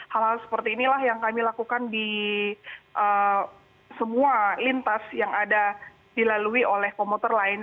hal hal seperti inilah yang kami lakukan di semua lintas yang ada dilalui oleh komuter lain